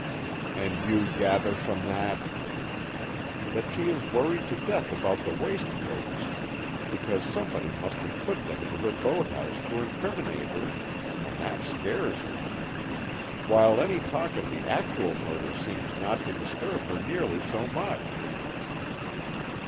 "And you gather from that?" "That she is worried to death about the waistcoats because somebody must have put them in her boathouse to incriminate her, and that scares her. While any talk of the actual murder seems not to disturb her nearly so much."